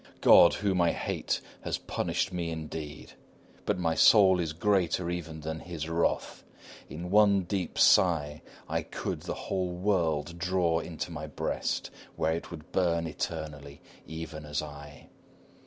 God, whom I hate, has punished me indeed! But my soul is greater even than His wrath; in one deep sigh I could the whole world draw into my breast, where it would burn eternally, even as I.